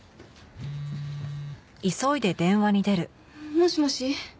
もしもし？